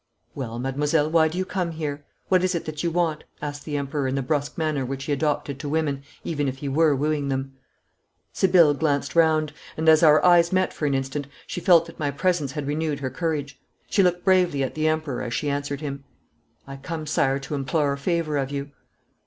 'Well, mademoiselle, why do you come here? What is it that you want?' asked the Emperor in the brusque manner which he adopted to women, even if he were wooing them. Sibylle glanced round, and as our eyes met for an instant I felt that my presence had renewed her courage. She looked bravely at the Emperor as she answered him. 'I come, Sire, to implore a favour of you.'